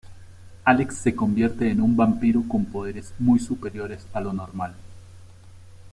Alex se convierte en un vampiro con poderes muy superiores a lo normal.